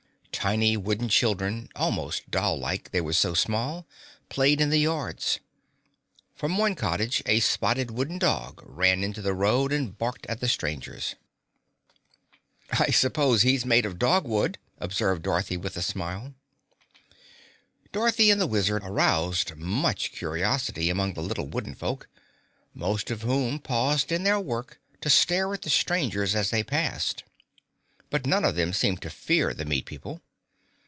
Tiny wooden children, almost doll like they were so small, played in the yards. From one cottage a spotted wooden dog ran into the road and barked at the strangers. "I suppose he's made of dog wood," observed Dorothy with a smile. Dorothy and the Wizard aroused much curiosity among the little wooden folk, most of whom paused in their work to stare at the strangers as they passed. But none of them seemed to fear the meat people.